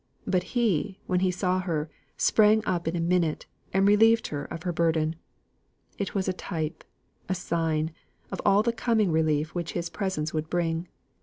But he, when he saw her, sprang up in a minute, and relieved her of her burden. It was a type, a sign, of all the coming relief which his presence would bring.